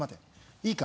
いいか？